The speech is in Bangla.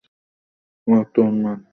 ও একটা উন্মাদ।